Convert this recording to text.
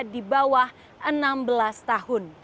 di bawah enam belas tahun